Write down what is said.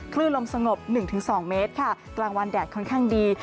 คลื่นลมสงบ๑๒เมตรค่ะกลางวันแดดค่อนข้างดี